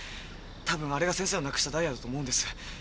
たぶんあれが先生のなくしたダイヤだと思うんです。